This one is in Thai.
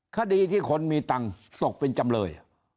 คดีที่คนมีตังค์ตกเป็นจำเลย